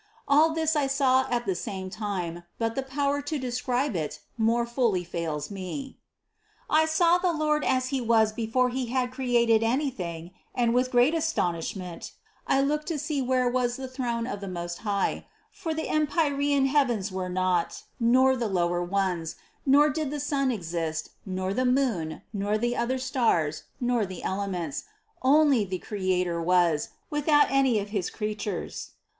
All this I saw at the same time, but the power to describe it more fully fails me. 30. I saw the Lord as He was before He had created anything and with great astonishment I looked to see where was the throne of the Most High, for the em pyrean heavens were not, nor the lower ones, nor did the sun exist, nor the moon, nor the other stars, nor the elements, only the Creator was, without any of his creatures.